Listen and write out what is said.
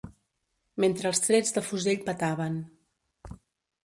Mentre els trets de fusell petaven